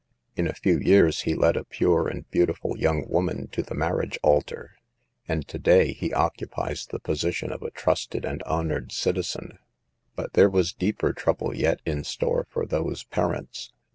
In a few years he led a pure and beautiful young woman to the marriage altar ; and to day he occupies the position of a trusted and honored citizen. But there was deeper trouble yet in store for those parents.